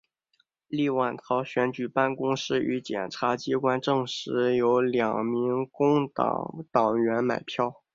立陶宛选举办公室与检察机关证实有两名工党党员买票。